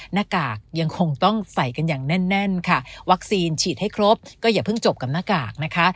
หน้ากากยังคงต้องใส่กันอย่างแน่นค่ะวัคซีนฉีดให้ครบก็อย่าเพิ่งจบกับหน้ากากนะคะ